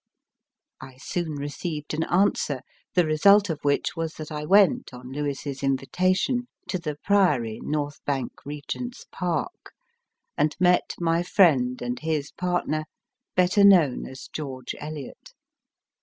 I soon received an answer, the result of which was that I went, on Lewes s invitation, to the Priory, North Bank, Regent s Park, and met my friend and his partner, better known as George Eliot.